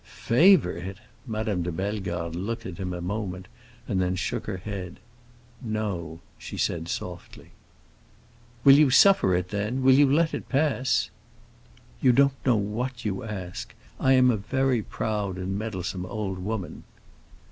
"Favor it?" Madame de Bellegarde looked at him a moment and then shook her head. "No!" she said, softly. "Will you suffer it, then? Will you let it pass?" "You don't know what you ask. I am a very proud and meddlesome old woman."